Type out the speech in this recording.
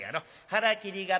腹切り刀。